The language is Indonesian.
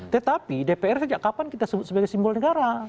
tetapi dpr sejak kapan kita sebut sebagai simbol negara